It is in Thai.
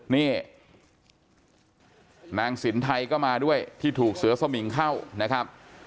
นี่นางสินไทยก็มาด้วยที่ถูกเสือสมิงเข้านะครับ